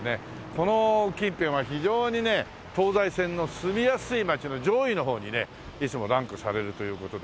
この近辺は非常にね東西線の住みやすい街の上位のほうにねいつもランクされるという事でね。